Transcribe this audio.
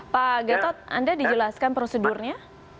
pak gatot anda dijelaskan prosedurnya